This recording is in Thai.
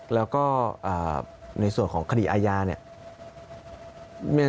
แล้วก็ในส่วนของคดีอาญาเนี่ย